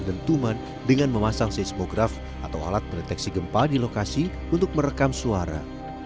dentuman dengan memasang seismograf atau alat pendeteksi gempa di lokasi untuk merekam suara